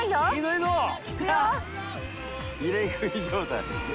入れ食い状態。